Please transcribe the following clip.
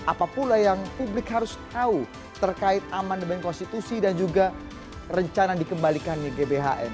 apapun yang publik harus tahu terkait amandemen konstitusi dan juga rencana dikembalikannya gbhn